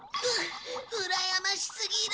ううらやましすぎる。